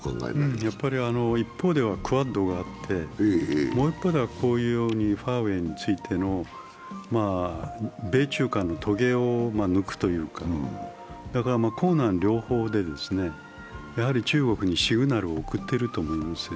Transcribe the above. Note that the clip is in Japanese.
一方ではクアッドがあって、もう一方ではファーウェイについての米中間のとげを抜くというか、だから硬軟両方で中国にシグナルを送っていると思います。